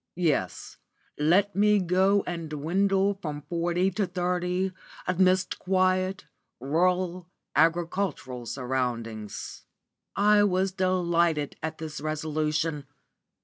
Yes, let me go and dwindle from forty to thirty amidst quiet, rural, agricultural surroundings." I was delighted at this resolution.